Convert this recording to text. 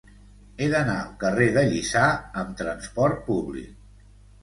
He d'anar al carrer de Lliçà amb trasport públic.